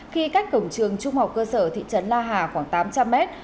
khi cách cổng trường trung học cơ sở thị trấn la hà khoảng tám trăm linh mét